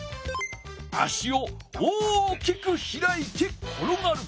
足を大きく開いてころがる。